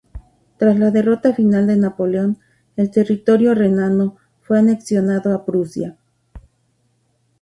Tras las derrota final de Napoleón, el territorio renano fue anexionado a Prusia.